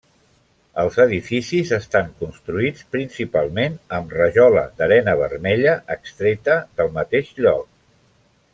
Els edificis estan construïts principalment amb rajola d'arena vermella extreta del mateix lloc.